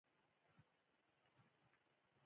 په غوږ کښي خاشه مه وهه!